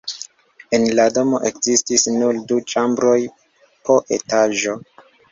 En la domo ekzistis nur du ĉambroj po etaĝo.